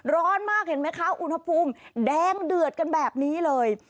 ร้อนมากเห็นไหมคะอุณหภูมิแดงเดือดกันแบบนี้เลย